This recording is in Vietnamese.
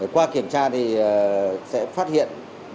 qua kiểm tra thì sẽ phát hiện